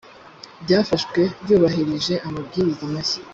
byafashwe byubahirije amabwiriza mashya